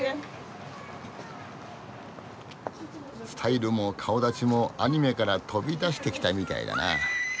スタイルも顔だちもアニメから飛び出してきたみたいだな。